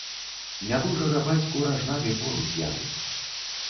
Нядужага бацьку ражнамі поруць яны.